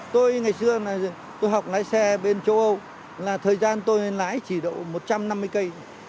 tôi ngày xưa tôi học lái xe bên châu âu là thời gian tôi lái chỉ độ một trăm năm mươi cây